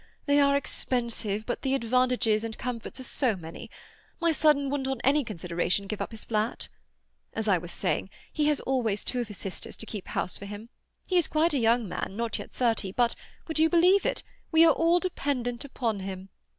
"They are expensive but the advantages and comforts are so many. My son wouldn't on any consideration give up his flat. As I was saying, he always has two of his sisters to keep house for him. He is quite a young man, not yet thirty, but—would you believe it?—we are all dependent upon him!